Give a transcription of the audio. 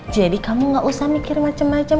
jadi kamu gak usah mikir macem macem